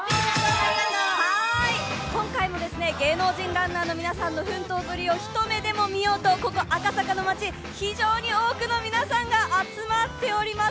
今回も芸能人ランナーたちの奮闘ぶりをひと目でも見ようとここ赤坂の街、非常に多くの皆さんが集まっております。